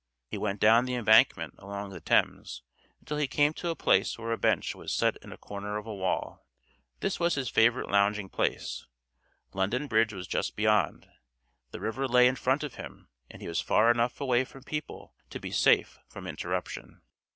He went down the embankment along the Thames until he came to a place where a bench was set in a corner of a wall. This was his favorite lounging place; London Bridge was just beyond, the river lay in front of him, and he was far enough away from people to be safe from interruption.